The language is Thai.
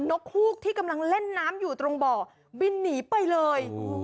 กฮูกที่กำลังเล่นน้ำอยู่ตรงบ่อบินหนีไปเลย